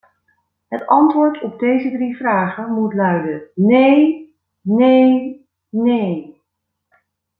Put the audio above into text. Het antwoord op deze drie vragen moet luiden: neen, neen, neen.